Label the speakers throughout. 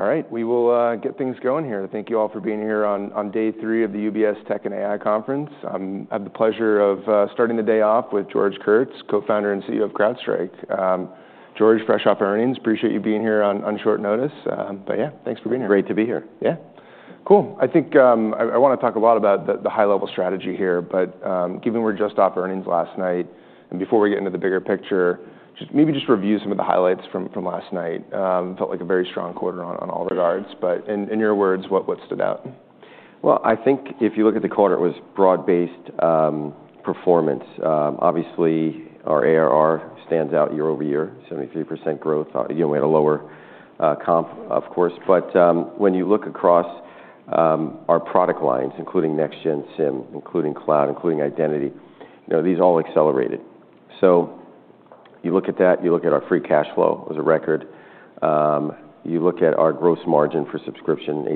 Speaker 1: All right. We will get things going here. Thank you all for being here on day three of the UBS Tech and AI Conference. I have the pleasure of starting the day off with George Kurtz, Co-founder and CEO of CrowdStrike. George, fresh off earnings. Appreciate you being here on short notice. But yeah, thanks for being here.
Speaker 2: Great to be here.
Speaker 1: Yeah. Cool. I think I want to talk a lot about the high-level strategy here. But given we're just off earnings last night, and before we get into the bigger picture, maybe just review some of the highlights from last night. It felt like a very strong quarter on all regards. But in your words, what stood out?
Speaker 2: I think if you look at the quarter, it was broad-based performance. Obviously, our ARR stands out year-over-year: 73% growth. We had a lower comp, of course. But when you look across our product lines, including next-gen SIEM, including cloud, including identity, these all accelerated. So you look at that, you look at our free cash flow as a record. You look at our gross margin for subscription: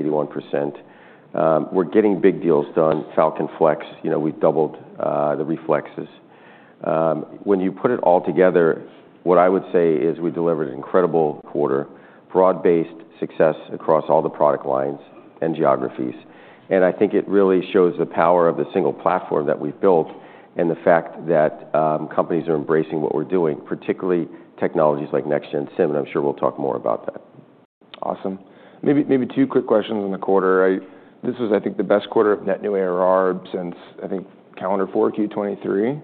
Speaker 2: 81%. We're getting big deals done. Falcon Flex, we doubled the Flexes. When you put it all together, what I would say is we delivered an incredible quarter: broad-based success across all the product lines and geographies. And I think it really shows the power of the single platform that we've built and the fact that companies are embracing what we're doing, particularly technologies like next-gen SIEM. And I'm sure we'll talk more about that.
Speaker 1: Awesome. Maybe two quick questions in the quarter. This was, I think, the best quarter of net new ARR since, I think, calendar 4Q 2023.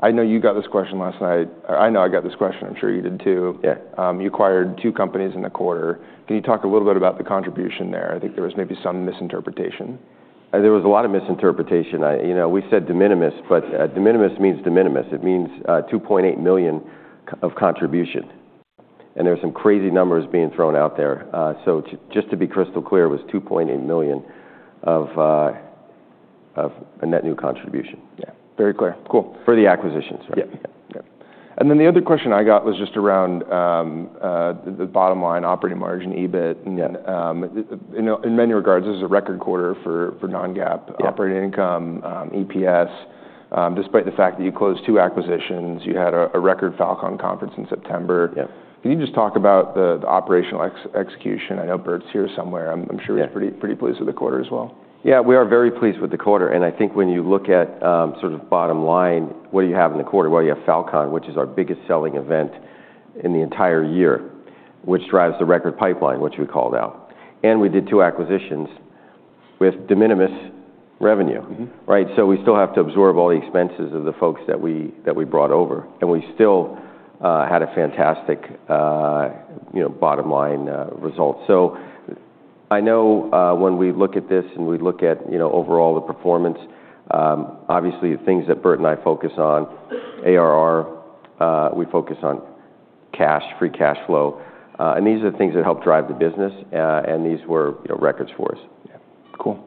Speaker 1: I know you got this question last night. I know I got this question. I'm sure you did, too.
Speaker 2: Yeah.
Speaker 1: You acquired two companies in the quarter. Can you talk a little bit about the contribution there? I think there was maybe some misinterpretation.
Speaker 2: There was a lot of misinterpretation. We said de minimis, but de minimis means de minimis. It means $2.8 million of contribution. And there were some crazy numbers being thrown out there. So just to be crystal clear, it was $2.8 million of a net new contribution.
Speaker 1: Yeah. Very clear. Cool.
Speaker 2: For the acquisitions.
Speaker 1: Yeah. And then the other question I got was just around the bottom line: operating margin, EBIT. In many regards, this is a record quarter for non-GAAP operating income, EPS. Despite the fact that you closed two acquisitions, you had a record Falcon Conference in September. Can you just talk about the operational execution? I know Burt's here somewhere. I'm sure he's pretty pleased with the quarter as well.
Speaker 2: Yeah, we are very pleased with the quarter. And I think when you look at sort of bottom line, what do you have in the quarter? Well, you have Falcon, which is our biggest selling event in the entire year, which drives the record pipeline, which we called out. And we did two acquisitions with de minimis revenue. So we still have to absorb all the expenses of the folks that we brought over. And we still had a fantastic bottom line result. So I know when we look at this and we look at overall the performance, obviously the things that Burt and I focus on: ARR, we focus on cash, free cash flow. And these are the things that help drive the business. And these were records for us.
Speaker 1: Cool.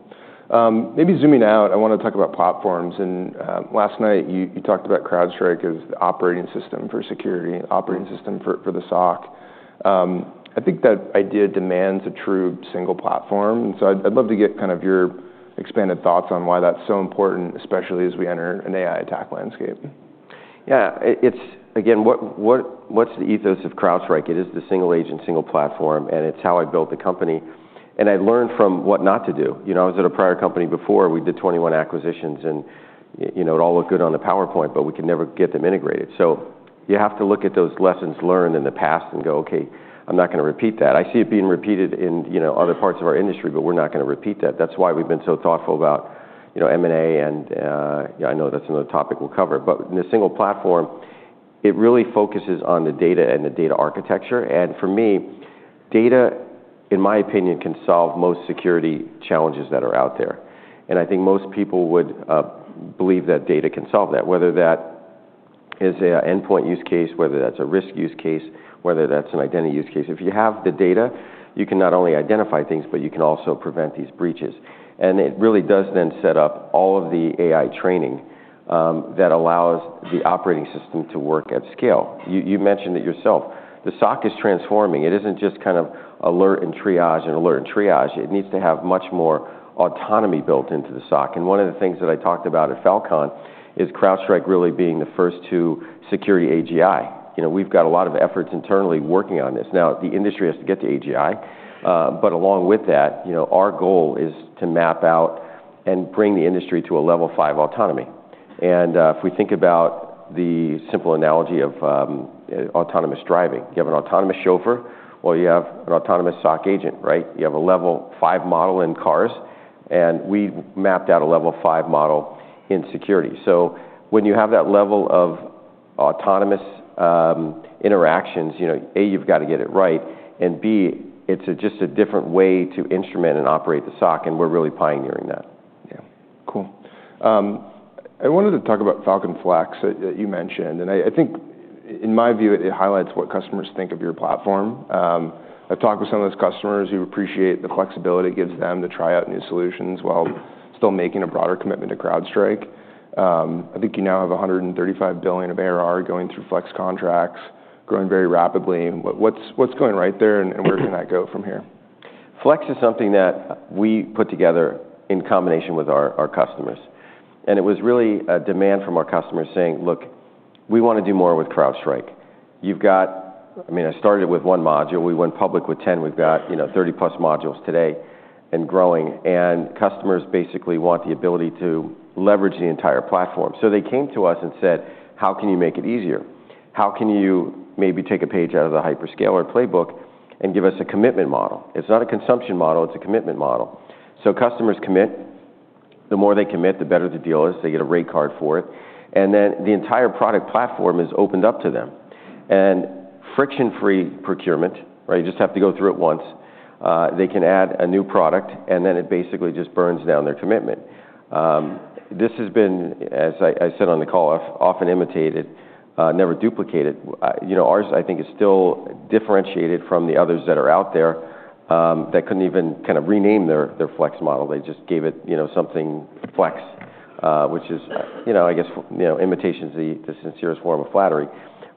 Speaker 1: Maybe zooming out, I want to talk about platforms. And last night you talked about CrowdStrike as the operating system for security, operating system for the SOC. I think that idea demands a true single platform. And so I'd love to get kind of your expanded thoughts on why that's so important, especially as we enter an AI attack landscape.
Speaker 2: Yeah. Again, what's the ethos of CrowdStrike? It is the single agent, single platform. And it's how I built the company. And I learned from what not to do. I was at a prior company before. We did 21 acquisitions. And it all looked good on the PowerPoint, but we could never get them integrated. So you have to look at those lessons learned in the past and go, "OK, I'm not going to repeat that." I see it being repeated in other parts of our industry, but we're not going to repeat that. That's why we've been so thoughtful about M&A. And I know that's another topic we'll cover. But in a single platform, it really focuses on the data and the data architecture. And for me, data, in my opinion, can solve most security challenges that are out there. And I think most people would believe that data can solve that, whether that is an endpoint use case, whether that's a risk use case, whether that's an identity use case. If you have the data, you can not only identify things, but you can also prevent these breaches. And it really does then set up all of the AI training that allows the operating system to work at scale. You mentioned it yourself. The SOC is transforming. It isn't just kind of alert and triage and alert and triage. It needs to have much more autonomy built into the SOC. And one of the things that I talked about at Falcon is CrowdStrike really being the first to secure AGI. We've got a lot of efforts internally working on this. Now, the industry has to get to AGI. But along with that, our goal is to map out and bring the industry to a level five autonomy. And if we think about the simple analogy of autonomous driving, you have an autonomous chauffeur. Well, you have an autonomous SOC agent, right? You have a level five model in cars. And we mapped out a level five model in security. So when you have that level of autonomous interactions, A, you've got to get it right. And B, it's just a different way to instrument and operate the SOC. And we're really pioneering that.
Speaker 1: Yeah. Cool. I wanted to talk about Falcon Flex that you mentioned, and I think, in my view, it highlights what customers think of your platform. I've talked with some of those customers who appreciate the flexibility it gives them to try out new solutions while still making a broader commitment to CrowdStrike. I think you now have $135 billion of ARR going through Flex contracts, growing very rapidly. What's going right there, and where can that go from here?
Speaker 2: Flex is something that we put together in combination with our customers. And it was really a demand from our customers saying, "Look, we want to do more with CrowdStrike." I mean, I started with one module. We went public with 10. We've got 30 plus modules today and growing. And customers basically want the ability to leverage the entire platform. So they came to us and said, "How can you make it easier? How can you maybe take a page out of the hyperscaler playbook and give us a commitment model?" It's not a consumption model. It's a commitment model. So customers commit. The more they commit, the better the deal is. They get a rate card for it. And then the entire product platform is opened up to them. And friction-free procurement, right? You just have to go through it once. They can add a new product. And then it basically just burns down their commitment. This has been, as I said on the call, often imitated, never duplicated. Ours, I think, is still differentiated from the others that are out there that couldn't even kind of rename their Flex model. They just gave it something Flex, which is, I guess, imitation is the sincerest form of flattery.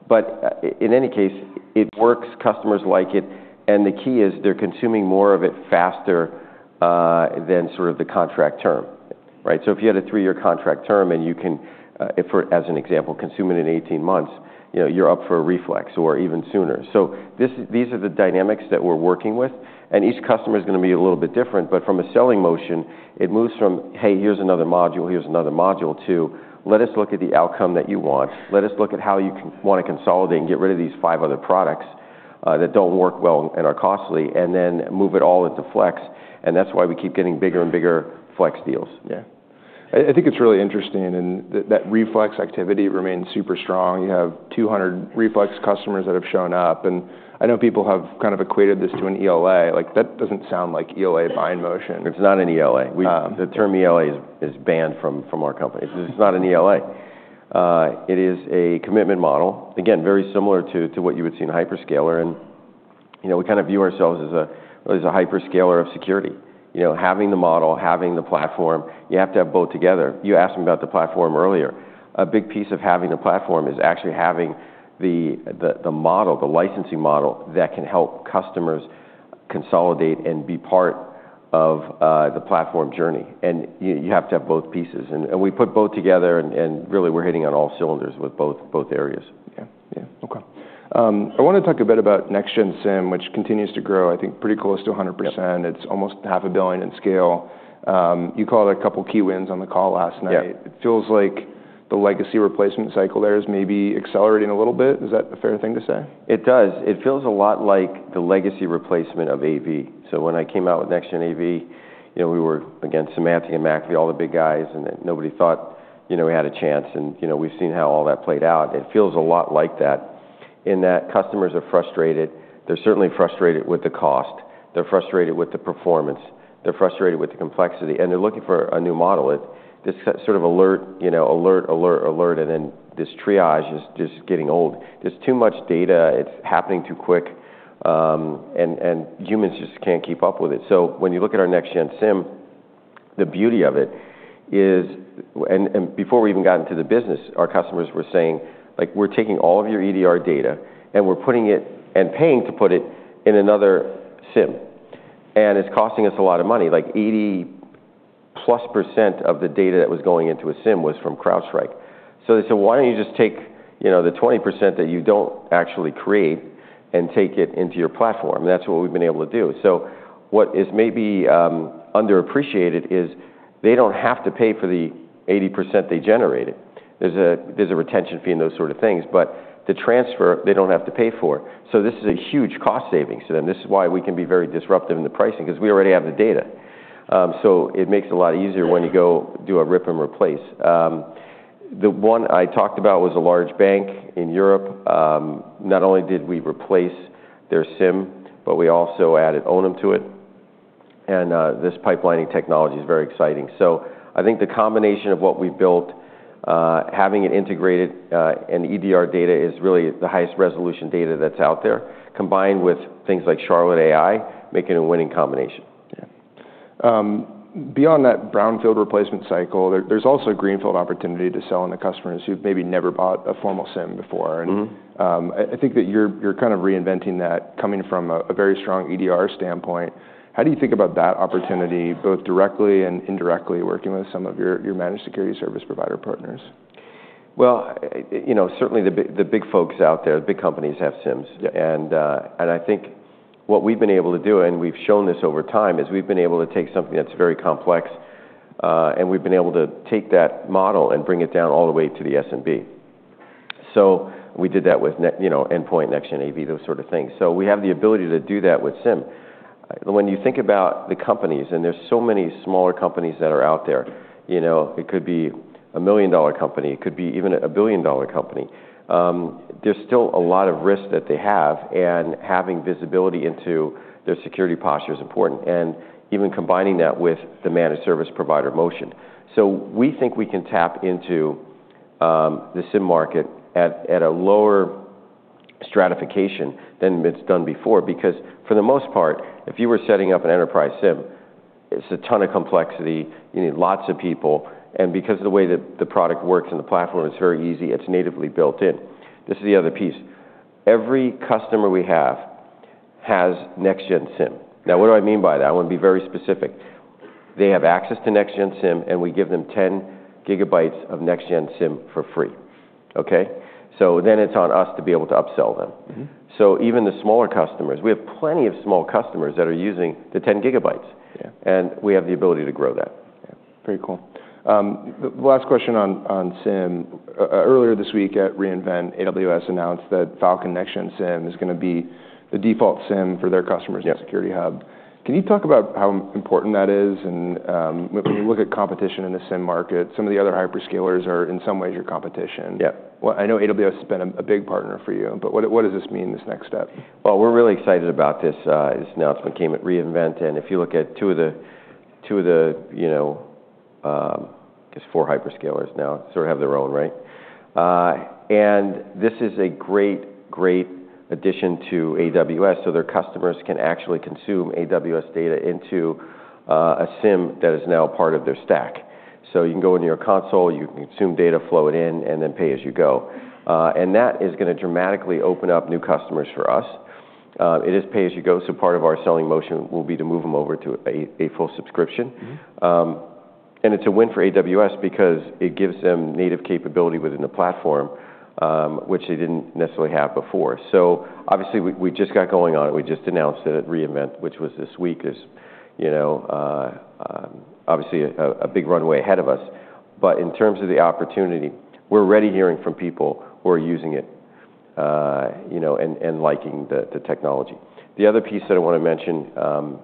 Speaker 2: But in any case, it works. Customers like it. And the key is they're consuming more of it faster than sort of the contract term. So if you had a three-year contract term and you can, as an example, consume it in 18 months, you're up for a re-Flex or even sooner. So these are the dynamics that we're working with. And each customer is going to be a little bit different. But from a selling motion, it moves from, "Hey, here's another module. "Here's another module" to "Let us look at the outcome that you want. Let us look at how you want to consolidate and get rid of these five other products that don't work well and are costly," and then move it all into Flex. And that's why we keep getting bigger and bigger Flex deals.
Speaker 1: Yeah. I think it's really interesting, and that re-Flex activity remains super strong. You have 200 re-Flex customers that have shown up, and I know people have kind of equated this to an ELA. That doesn't sound like ELA buying motion.
Speaker 2: It's not an ELA. The term ELA is banned from our company. This is not an ELA. It is a commitment model, again, very similar to what you would see in hyperscaler, and we kind of view ourselves as a hyperscaler of security. Having the model, having the platform, you have to have both together. You asked me about the platform earlier. A big piece of having a platform is actually having the model, the licensing model that can help customers consolidate and be part of the platform journey, and you have to have both pieces, and we put both together, and really, we're hitting on all cylinders with both areas.
Speaker 1: Yeah. Yeah. OK. I want to talk a bit about next-gen SIEM, which continues to grow, I think, pretty close to 100%. It's almost $500 million in scale. You called a couple key wins on the call last night. It feels like the legacy replacement cycle there is maybe accelerating a little bit. Is that a fair thing to say?
Speaker 2: It does. It feels a lot like the legacy replacement of AV. So when I came out with next-gen AV, we were against Symantec and McAfee, all the big guys. And nobody thought we had a chance. And we've seen how all that played out. It feels a lot like that. In that customers are frustrated. They're certainly frustrated with the cost. They're frustrated with the performance. They're frustrated with the complexity. And they're looking for a new model. This sort of alert, alert, alert, alert, and then this triage is just getting old. There's too much data. It's happening too quick. And humans just can't keep up with it. So when you look at our next-gen SIEM, the beauty of it is, and before we even got into the business, our customers were saying, "We're taking all of your EDR data, and we're putting it and paying to put it in another SIEM. And it's costing us a lot of money." Like 80+% of the data that was going into a SIEM was from CrowdStrike. So they said, "Why don't you just take the 20% that you don't actually create and take it into your platform?" And that's what we've been able to do. So what is maybe underappreciated is they don't have to pay for the 80% they generated. There's a retention fee and those sort of things. But the transfer, they don't have to pay for. So this is a huge cost savings to them. This is why we can be very disruptive in the pricing, because we already have the data, so it makes it a lot easier when you go do a rip and replace. The one I talked about was a large bank in Europe. Not only did we replace their SIEM, but we also added Onum to it, and this pipelining technology is very exciting, so I think the combination of what we've built, having it integrated and EDR data is really the highest resolution data that's out there, combined with things like Charlotte AI, making a winning combination.
Speaker 1: Yeah. Beyond that brownfield replacement cycle, there's also a greenfield opportunity to sell to the customers who've maybe never bought a formal SIEM before. And I think that you're kind of reinventing that coming from a very strong EDR standpoint. How do you think about that opportunity, both directly and indirectly working with some of your managed security service provider partners?
Speaker 2: Certainly the big folks out there, the big companies have SIEMs. I think what we've been able to do, and we've shown this over time, is we've been able to take something that's very complex. We've been able to take that model and bring it down all the way to the SMB. We did that with endpoint, next-gen AV, those sort of things. We have the ability to do that with SIEM. When you think about the companies, and there's so many smaller companies that are out there, it could be a $1 million company. It could be even a $1 billion company. There's still a lot of risk that they have. Having visibility into their security posture is important. Even combining that with the managed service provider motion. So we think we can tap into the SIEM market at a lower stratification than it's done before. Because for the most part, if you were setting up an enterprise SIEM, it's a ton of complexity. You need lots of people. And because of the way that the product works and the platform, it's very easy. It's natively built in. This is the other piece. Every customer we have has next-gen SIEM. Now, what do I mean by that? I want to be very specific. They have access to next-gen SIEM, and we give them 10 GB of next-gen SIEM for free. So then it's on us to be able to upsell them. So even the smaller customers, we have plenty of small customers that are using the 10 GB. And we have the ability to grow that.
Speaker 1: Yeah. Very cool. Last question on SIEM. Earlier this week at re:Invent, AWS announced that Falcon Next-Gen SIEM is going to be the default SIEM for their customers' security hub. Can you talk about how important that is? and when you look at competition in the SIEM market, some of the other hyperscalers are in some ways your competition.
Speaker 2: Yeah.
Speaker 1: Well, I know AWS has been a big partner for you. But what does this mean, this next step?
Speaker 2: Well, we're really excited about this. This announcement came at re:Invent. And if you look at two of the, I guess, four hyperscalers now sort of have their own, right? And this is a great, great addition to AWS so their customers can actually consume AWS data into a SIEM that is now part of their stack. So you can go into your console, you can consume data, flow it in, and then pay as you go. And that is going to dramatically open up new customers for us. It is pay as you go. So part of our selling motion will be to move them over to a full subscription. And it's a win for AWS because it gives them native capability within the platform, which they didn't necessarily have before. So obviously, we just got going on it. We just announced it at re:Invent, which was this week. There's obviously a big runway ahead of us. But in terms of the opportunity, we're already hearing from people who are using it and liking the technology. The other piece that I want to mention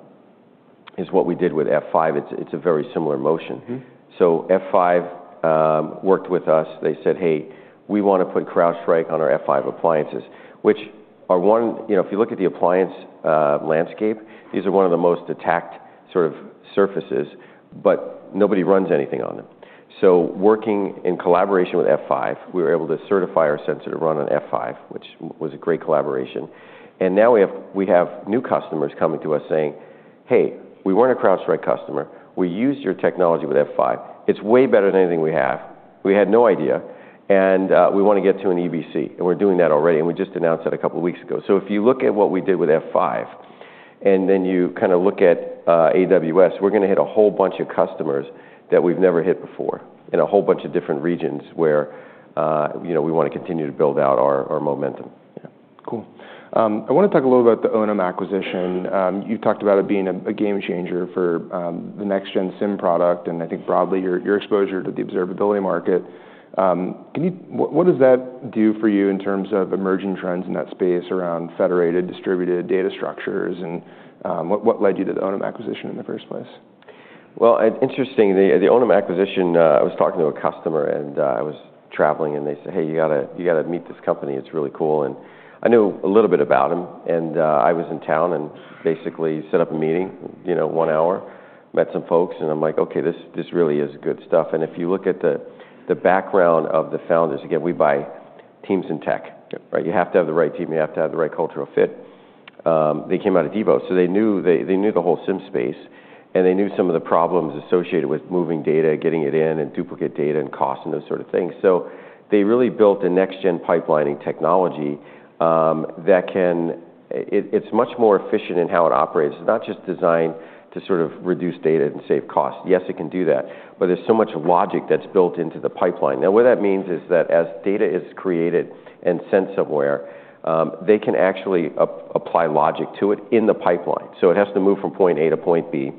Speaker 2: is what we did with F5. It's a very similar motion. So F5 worked with us. They said, "Hey, we want to put CrowdStrike on our F5 appliances," which are, if you look at the appliance landscape, these are one of the most attacked sort of surfaces. But nobody runs anything on them. So working in collaboration with F5, we were able to certify our sensor to run on F5, which was a great collaboration. And now we have new customers coming to us saying, "Hey, we weren't a CrowdStrike customer. We used your technology with F5. It's way better than anything we have. We had no idea. And we want to get to an EBC." And we're doing that already. And we just announced that a couple of weeks ago. So if you look at what we did with F5, and then you kind of look at AWS, we're going to hit a whole bunch of customers that we've never hit before in a whole bunch of different regions where we want to continue to build out our momentum.
Speaker 1: Yeah. Cool. I want to talk a little about the Onum acquisition. You've talked about it being a game changer for the next-gen SIEM product. And I think broadly, your exposure to the observability market. What does that do for you in terms of emerging trends in that space around federated, distributed data structures? And what led you to the Onum acquisition in the first place?
Speaker 2: Interestingly, the Onum acquisition, I was talking to a customer. And I was traveling. And they said, "Hey, you got to meet this company. It's really cool." And I knew a little bit about them. And I was in town and basically set up a meeting, one hour, met some folks. And I'm like, "OK, this really is good stuff." And if you look at the background of the founders, again, we buy teams and tech. You have to have the right team. You have to have the right cultural fit. They came out of Devo. So they knew the whole SIEM space. And they knew some of the problems associated with moving data, getting it in, and duplicate data, and cost, and those sort of things. So they really built a next-gen pipelining technology that can, it's much more efficient in how it operates. It's not just designed to sort of reduce data and save costs. Yes, it can do that. But there's so much logic that's built into the pipeline. Now, what that means is that as data is created and sent somewhere, they can actually apply logic to it in the pipeline. So it has to move from point A to point B.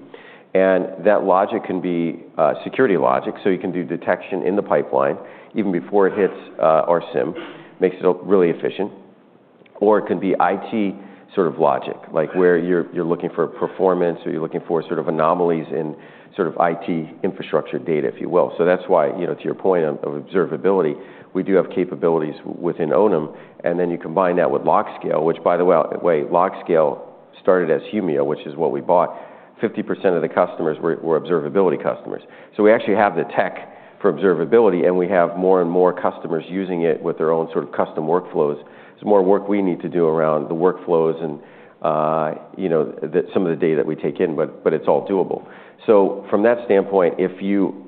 Speaker 2: And that logic can be security logic. So you can do detection in the pipeline even before it hits our SIEM. Makes it really efficient. Or it can be IT sort of logic, like where you're looking for performance or you're looking for sort of anomalies in sort of IT infrastructure data, if you will. So that's why, to your point of observability, we do have capabilities within Onum. And then you combine that with LogScale, which, by the way, LogScale started as Humio, which is what we bought. 50% of the customers were observability customers. So we actually have the tech for observability. And we have more and more customers using it with their own sort of custom workflows. There's more work we need to do around the workflows and some of the data that we take in. But it's all doable. So from that standpoint, if you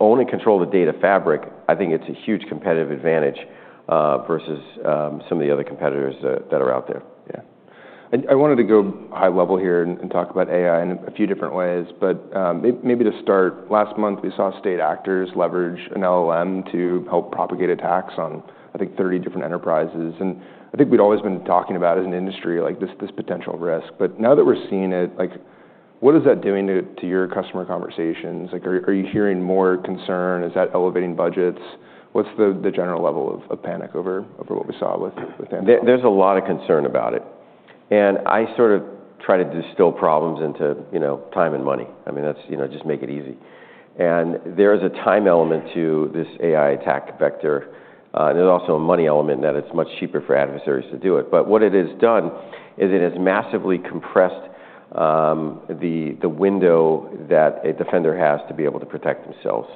Speaker 2: own and control the data fabric, I think it's a huge competitive advantage versus some of the other competitors that are out there.
Speaker 1: Yeah. And I wanted to go high level here and talk about AI in a few different ways. But maybe to start, last month, we saw state actors leverage an LLM to help propagate attacks on, I think, 30 different enterprises. And I think we'd always been talking about as an industry this potential risk. But now that we're seeing it, what is that doing to your customer conversations? Are you hearing more concern? Is that elevating budgets? What's the general level of panic over what we saw with Charlotte?
Speaker 2: There's a lot of concern about it, and I sort of try to distill problems into time and money. I mean, just make it easy, and there is a time element to this AI attack vector. There's also a money element in that it's much cheaper for adversaries to do it, but what it has done is it has massively compressed the window that a defender has to be able to protect themselves.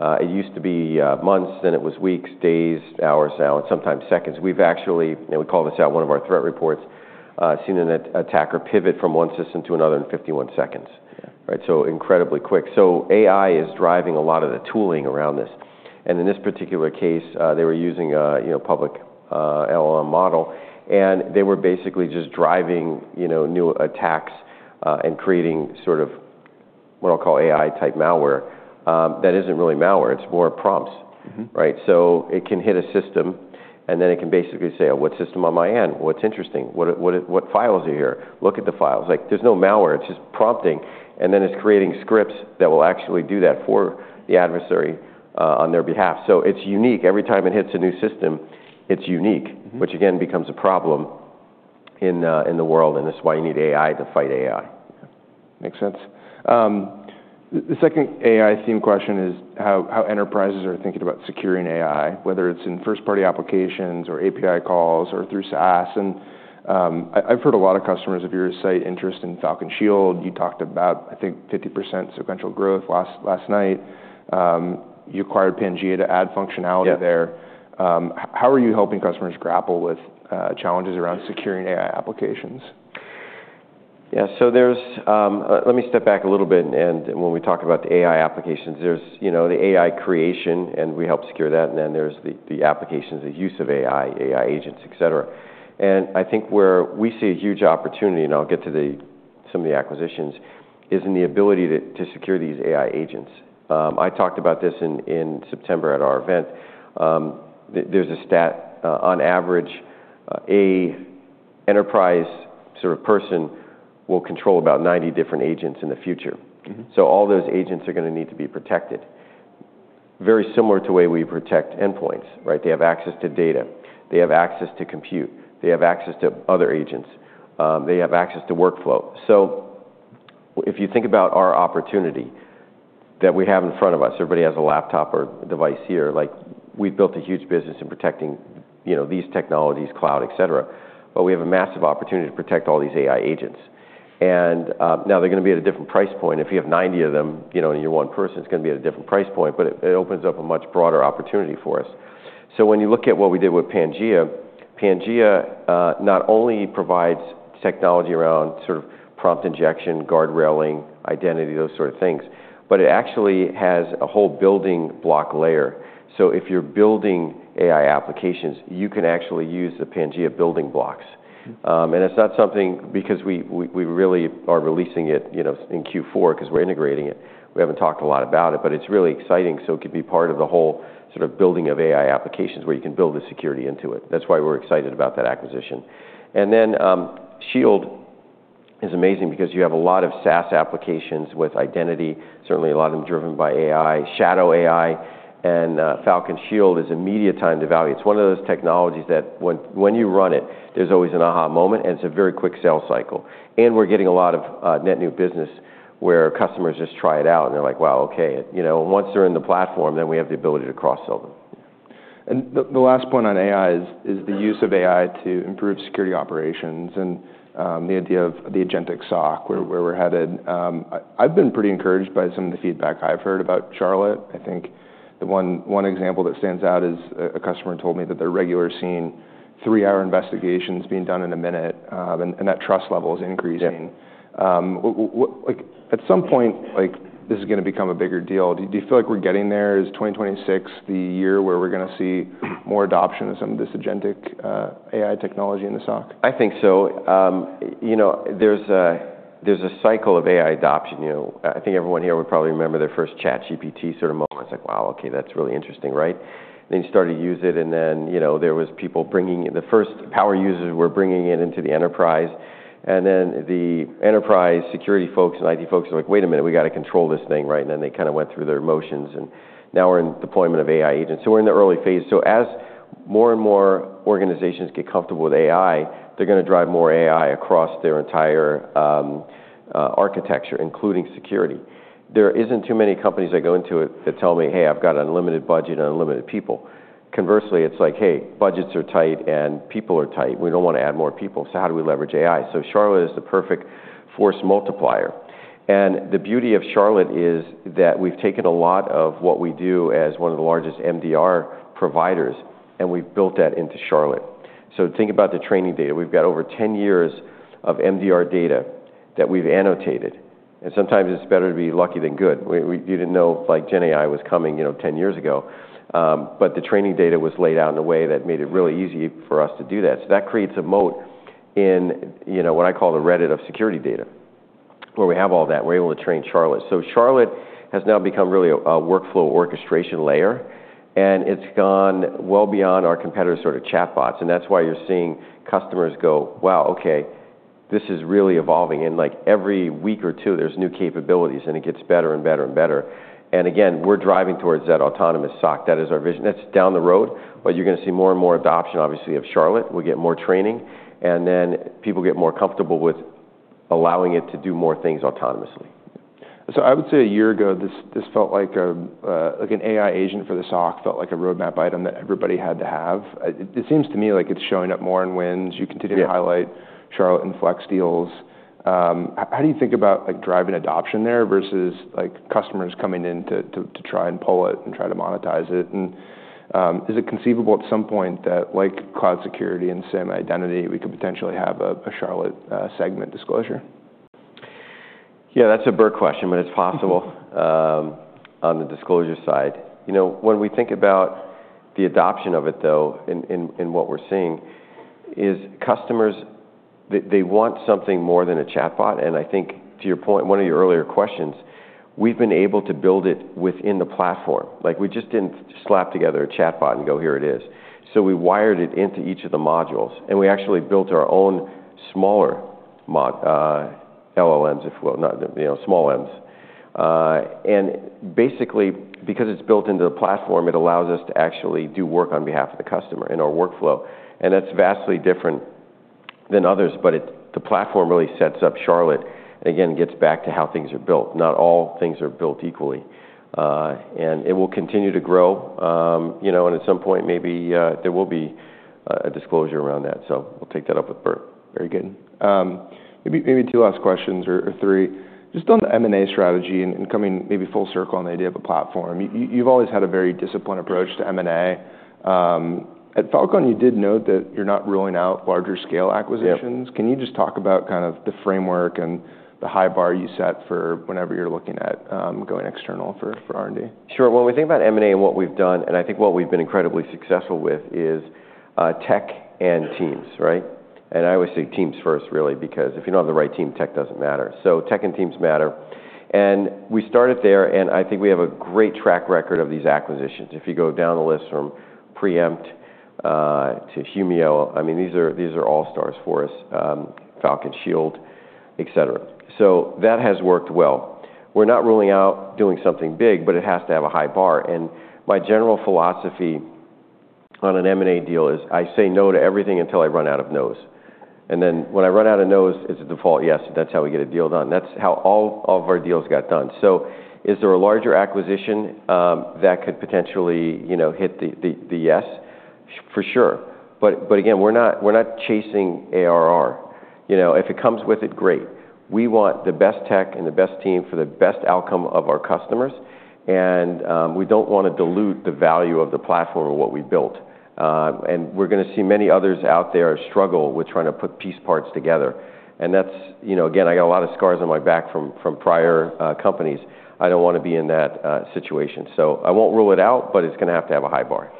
Speaker 2: It used to be months. Then it was weeks, days, hours, sometimes seconds. We've actually, and we call this out in one of our threat reports, seen an attacker pivot from one system to another in 51 seconds, so incredibly quick, so AI is driving a lot of the tooling around this, and in this particular case, they were using a public LLM model. They were basically just driving new attacks and creating sort of what I'll call AI-type malware that isn't really malware. It's more prompts. It can hit a system. Then it can basically say, "What system am I in? What's interesting? What files are here? Look at the files." There's no malware. It's just prompting. Then it's creating scripts that will actually do that for the adversary on their behalf. It's unique. Every time it hits a new system, it's unique, which again becomes a problem in the world. This is why you need AI to fight AI.
Speaker 1: Makes sense. The second AI theme question is how enterprises are thinking about securing AI, whether it's in first-party applications or API calls or through SaaS. And I've heard a lot of customers of yours cite interest in Falcon Shield. You talked about, I think, 50% sequential growth last night. You acquired Pangea to add functionality there. How are you helping customers grapple with challenges around securing AI applications?
Speaker 2: Yeah. So let me step back a little bit, and when we talk about the AI applications, there's the AI creation, and we help secure that, and then there's the applications, the use of AI, AI agents, et cetera, and I think where we see a huge opportunity, and I'll get to some of the acquisitions, is in the ability to secure these AI agents. I talked about this in September at our event. There's a stat. On average, an enterprise sort of person will control about 90 different agents in the future, so all those agents are going to need to be protected, very similar to the way we protect endpoints. They have access to data. They have access to compute. They have access to other agents. They have access to workflow. So if you think about our opportunity that we have in front of us, everybody has a laptop or device here. We've built a huge business in protecting these technologies, cloud, et cetera. But we have a massive opportunity to protect all these AI agents. And now they're going to be at a different price point. If you have 90 of them and you're one person, it's going to be at a different price point. But it opens up a much broader opportunity for us. So when you look at what we did with Pangea, Pangea not only provides technology around sort of prompt injection, guardrailing, identity, those sort of things, but it actually has a whole building block layer. So if you're building AI applications, you can actually use the Pangea building blocks. And it's not something, because we really are releasing it in Q4 because we're integrating it. We haven't talked a lot about it. But it's really exciting. So it could be part of the whole sort of building of AI applications where you can build the security into it. That's why we're excited about that acquisition. And then Shield is amazing because you have a lot of SaaS applications with identity, certainly a lot of them driven by AI, shadow AI. And Falcon Shield is immediate time to value. It's one of those technologies that when you run it, there's always an aha moment. And it's a very quick sales cycle. And we're getting a lot of net new business where customers just try it out. And they're like, "Wow, OK." Once they're in the platform, then we have the ability to cross-sell them.
Speaker 1: And the last point on AI is the use of AI to improve security operations and the idea of the agentic SOC, where we're headed. I've been pretty encouraged by some of the feedback I've heard about Charlotte. I think the one example that stands out is a customer told me that they're regularly seeing three-hour investigations being done in a minute. And that trust level is increasing. At some point, this is going to become a bigger deal. Do you feel like we're getting there? Is 2026 the year where we're going to see more adoption of some of this agentic AI technology in the SOC?
Speaker 2: I think so. There's a cycle of AI adoption. I think everyone here would probably remember their first ChatGPT sort of moment. It's like, "Wow, OK, that's really interesting," right? Then you started to use it. And then the first power users were bringing it into the enterprise. And then the enterprise security folks and IT folks were like, "Wait a minute. We got to control this thing," right? And then they kind of went through their motions. And now we're in deployment of AI agents. So we're in the early phase. So as more and more organizations get comfortable with AI, they're going to drive more AI across their entire architecture, including security. There aren't too many companies that go into it that tell me, "Hey, I've got unlimited budget and unlimited people." Conversely, it's like, "Hey, budgets are tight. And people are tight. We don't want to add more people. So how do we leverage AI?" So Charlotte is the perfect force multiplier. And the beauty of Charlotte is that we've taken a lot of what we do as one of the largest MDR providers. And we've built that into Charlotte. So think about the training data. We've got over 10 years of MDR data that we've annotated. And sometimes it's better to be lucky than good. You didn't know GenAI was coming 10 years ago. But the training data was laid out in a way that made it really easy for us to do that. So that creates a moat in what I call the Reddit of security data, where we have all that. We're able to train Charlotte. So Charlotte has now become really a workflow orchestration layer. And it's gone well beyond our competitor sort of chatbots. And that's why you're seeing customers go, "Wow, OK, this is really evolving." And every week or two, there's new capabilities. And it gets better and better and better. And again, we're driving towards that autonomous SOC. That is our vision. That's down the road. But you're going to see more and more adoption, obviously, of Charlotte. We'll get more training. And then people get more comfortable with allowing it to do more things autonomously.
Speaker 1: So I would say a year ago, this felt like an AI agent for the SOC felt like a roadmap item that everybody had to have. It seems to me like it's showing up more in wins. You continue to highlight Charlotte and Flex deals. How do you think about driving adoption there versus customers coming in to try and pull it and try to monetize it? And is it conceivable at some point that, like cloud security and SIEM identity, we could potentially have a Charlotte segment disclosure?
Speaker 2: Yeah, that's a Burt question. But it's possible on the disclosure side. When we think about the adoption of it, though, and what we're seeing, is customers, they want something more than a chatbot. And I think, to your point, one of your earlier questions, we've been able to build it within the platform. We just didn't slap together a chatbot and go, "Here it is." So we wired it into each of the modules. And we actually built our own smaller LLMs, if you will, not small Ms. And basically, because it's built into the platform, it allows us to actually do work on behalf of the customer in our workflow. And that's vastly different than others. But the platform really sets up Charlotte and, again, gets back to how things are built. Not all things are built equally. And it will continue to grow. At some point, maybe there will be a disclosure around that. We'll take that up with Burt.
Speaker 1: Very good. Maybe two last questions or three, just on the M&A strategy and coming maybe full circle on the idea of a platform. You've always had a very disciplined approach to M&A. At Falcon, you did note that you're not ruling out larger scale acquisitions. Can you just talk about kind of the framework and the high bar you set for whenever you're looking at going external for R&D?
Speaker 2: Sure. When we think about M&A and what we've done, and I think what we've been incredibly successful with is tech and teams, right? And I always say teams first, really, because if you don't have the right team, tech doesn't matter. So tech and teams matter. And we started there. And I think we have a great track record of these acquisitions. If you go down the list from Preempt to Humio, I mean, these are all stars for us, Falcon Shield, et cetera. So that has worked well. We're not ruling out doing something big. But it has to have a high bar. And my general philosophy on an M&A deal is I say no to everything until I run out of no's. And then when I run out of no's, it's a default yes. And that's how we get a deal done. That's how all of our deals got done. So is there a larger acquisition that could potentially hit the yes? For sure. But again, we're not chasing ARR. If it comes with it, great. We want the best tech and the best team for the best outcome of our customers. And we don't want to dilute the value of the platform or what we built. And we're going to see many others out there struggle with trying to put piece parts together. And again, I got a lot of scars on my back from prior companies. I don't want to be in that situation. So I won't rule it out. But it's going to have to have a high bar.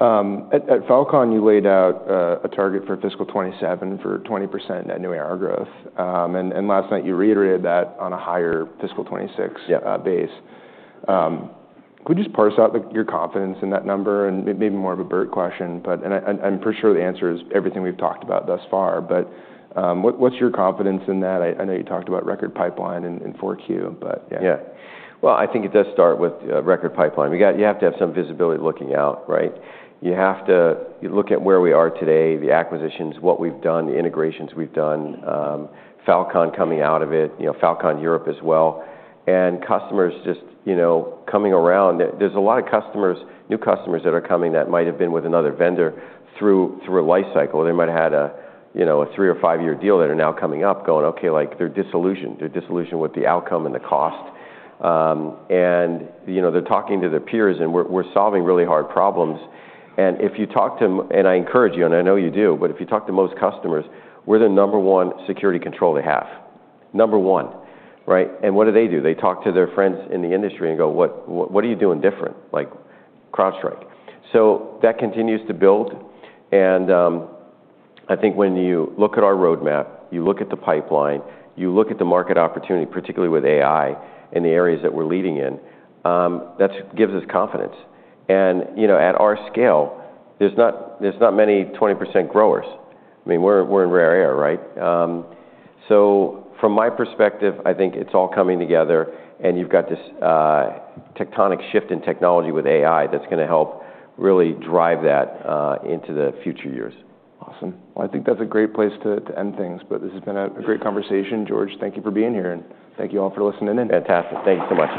Speaker 1: At Falcon, you laid out a target for fiscal 2027 for 20% net new ARR growth. Last night, you reiterated that on a higher fiscal 2026 base. Could you just parse out your confidence in that number? Maybe more of a Burt question. I'm pretty sure the answer is everything we've talked about thus far. What's your confidence in that? I know you talked about record pipeline and 4Q.
Speaker 2: Yeah. Well, I think it does start with record pipeline. You have to have some visibility looking out, right? You have to look at where we are today, the acquisitions, what we've done, the integrations we've done, Falcon coming out of it, Falcon Europe as well. And customers just coming around. There's a lot of new customers that are coming that might have been with another vendor through a life cycle. They might have had a three or five-year deal that are now coming up, going, "OK, they're disillusioned. They're disillusioned with the outcome and the cost." And they're talking to their peers. And we're solving really hard problems. And if you talk to, and I encourage you. And I know you do. But if you talk to most customers, we're the number one security control they have, number one, right? And what do they do? They talk to their friends in the industry and go, "What are you doing different?" Like CrowdStrike. So that continues to build. And I think when you look at our roadmap, you look at the pipeline, you look at the market opportunity, particularly with AI in the areas that we're leading in, that gives us confidence. And at our scale, there's not many 20% growers. I mean, we're in rare air, right? So from my perspective, I think it's all coming together. And you've got this tectonic shift in technology with AI that's going to help really drive that into the future years.
Speaker 1: Awesome. Well, I think that's a great place to end things. But this has been a great conversation, George. Thank you for being here. And thank you all for listening in.
Speaker 2: Fantastic. Thank you so much.